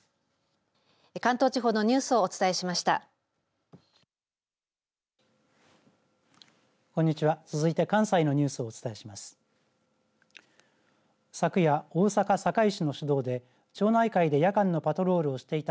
関東地方のニュースをお伝えしました。